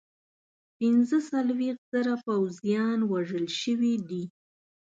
پنځه څلوېښت زره پوځیان وژل شوي دي.